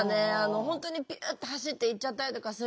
本当にピュッて走っていっちゃったりとかするので。